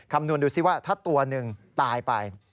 คำนวณดูซิว่าถ้าตัวหนึ่งตายไป